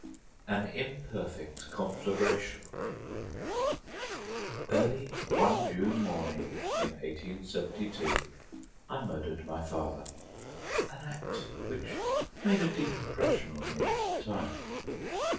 AN IMPERFECT CONFLAGRATION Early one June morning in 1872 I murdered my father an act which made a deep impression on me at the time.